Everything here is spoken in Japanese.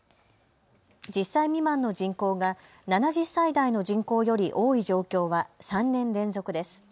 １０歳未満の人口が７０歳台の人口より多い状況は３年連続です。